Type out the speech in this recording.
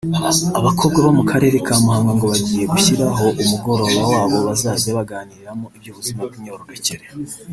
Abakobwa bo mu karere ka Muhanga ngo bagiye gushyirahoo umugoroba wabo bazajya baganiriramo iby’ubuzima bw’imyororokere